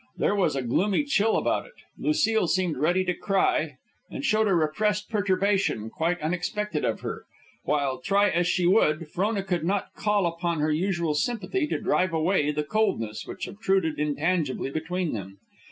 There was a gloomy chill about it. Lucile seemed ready to cry, and showed a repressed perturbation quite unexpected of her; while, try as she would, Frona could not call upon her usual sympathy to drive away the coldness which obtruded intangibly between them.